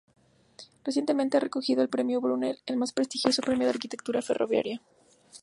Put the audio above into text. Recientemente ha recogido el premio Brunel, el más prestigioso premio de arquitectura ferroviaria.